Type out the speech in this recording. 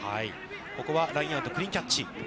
ここはラインアウト、クリーンキャッチ。